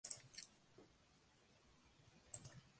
Ella lo convence de nombrar a Nathan Petrelli senador.